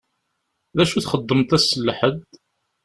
D acu txeddmeḍ ass n lḥedd?